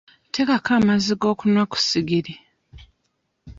Teekako amazzi g'okunywa ku ssigiri.